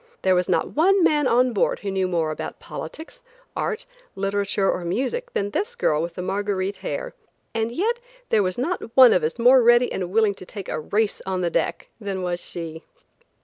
There was not one man on board who knew more about politics, art, literature or music, than this girl with Marguerite hair, and yet there was not one of us more ready and willing to take a race on deck than was she.